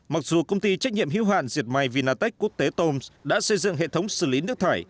mặc dù công ty trách nhiệm hữu hạn diệt may vinatech quốc tế toms đã xây dựng hệ thống xử lý nước thải